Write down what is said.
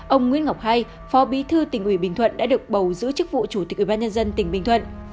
ông nguyễn ngọc hai phó bí thư tỉnh ủy bình thuận đã được bầu giữ chức vụ chủ tịch ủy ban nhân dân tỉnh bình thuận